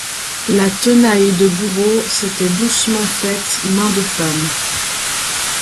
La tenaille de bourreau s’était doucement faite main de femme.